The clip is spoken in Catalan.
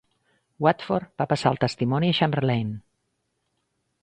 Watford va passar el testimoni a Chamberlain.